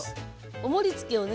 お盛りつけをね